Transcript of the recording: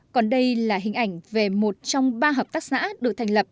còn đây là hình ảnh về một trong ba hợp tác xã được thành lập